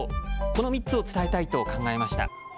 この３つを伝えたいと考えました。